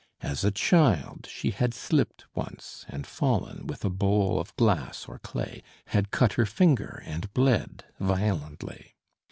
As a child she had slipped once and fallen with a bowl of glass or clay, had cut her finger, and bled violently.